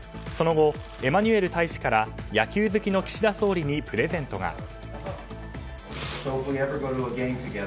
その後、エマニュエル大使から野球好きの岸田総理にプレゼントが。